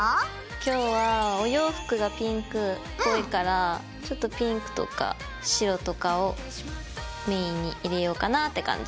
今日はお洋服がピンクっぽいからちょっとピンクとか白とかをメインに入れようかなって感じ。